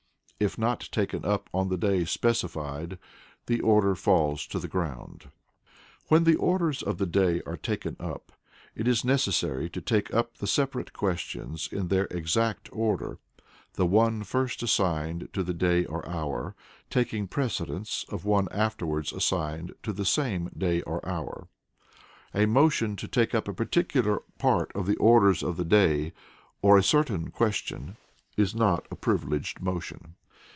If not taken up on the day specified, the order falls to the ground. When the Orders of the Day are taken up, it is necessary to take up the separate questions in their exact order, the one first assigned to the day or hour, taking precedence of one afterwards assigned to the same day or hour. (A motion to take up a particular part of the Orders of the Day, or a certain question, is not a privileged motion).